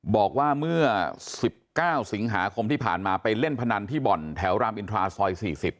บอกว่าเมื่อ๑๙สิงหาคมที่ผ่านมาไปเล่นพนันที่บ่อนแถวรามอินทราซอย๔๐